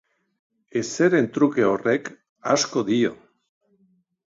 Ezeren truke horrek, asko dio.